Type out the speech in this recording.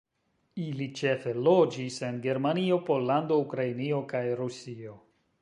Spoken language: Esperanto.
Ili ĉefe loĝis en Germanio, Pollando, Ukrainio kaj Rusio.